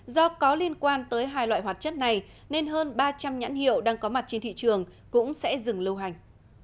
do có liên quan tới hai loại hoạt chất này nên hơn ba trăm linh nhãn hiệu đang có mặt trên thị trường cũng sẽ dừng lưu hành